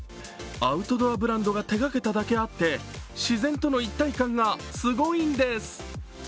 アウトドアブランドが手掛けただけあって、自然との一体感がすごいんです。